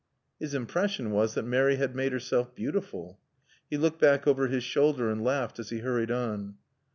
His impression was that Mary had made herself beautiful. He looked back over his shoulder and laughed as he hurried on.